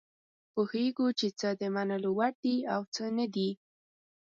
پوهیږو چې څه د منلو وړ دي او څه نه دي.